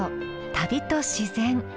「旅と自然」。